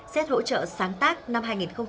xét hỗ trợ sáng tác năm hai nghìn một mươi tám